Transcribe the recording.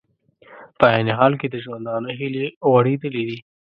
په عین حال کې د ژوندانه هیلې غوړېدلې دي